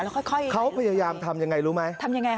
แล้วค่อยเขาพยายามทำอย่างไรรู้มั้ยทำอย่างไรครับ